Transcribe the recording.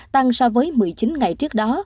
tăng so với một mươi chín ngày trước đó